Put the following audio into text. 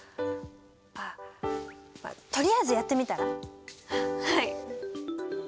あっまあとりあえずやってみたら？ははい。